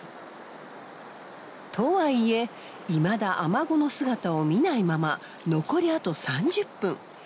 とはいえいまだアマゴの姿を見ないまま残りあと３０分。